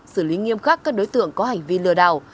xử lý nghiêm khắc các đối tượng có hành vi lừa đảo